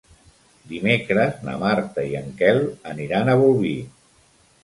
Dimecres na Marta i en Quel aniran a Bolvir.